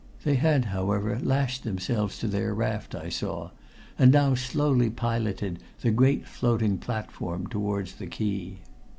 They had, however, lashed themselves to their raft, I saw, and now slowly piloted the great floating platform towards the quay.